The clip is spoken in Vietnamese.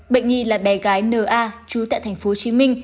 bệnh nhi là bé gái n a trú tại tp hcm